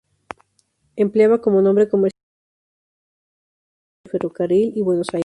Empleaba como nombre comercial Ferrobaires, juego de palabras entre ferrocarril y Buenos Aires.